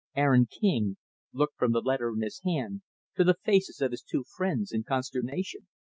Aaron King looked from the letter in his hand to the faces of his two friends, in consternation.